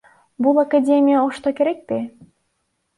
Бул академия Ошто керекпи?